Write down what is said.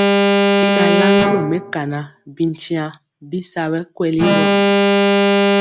Y nalaŋgɔlɔ mɛkana bityiaŋ bisa bɛ kweli gɔ.